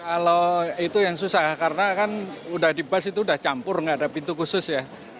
kalau itu yang susah karena kan udah di bus itu udah campur nggak ada pintu khusus ya